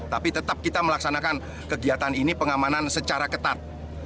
tapi tetap kita melaksanakan kegiatan ini pengamanan secara ketat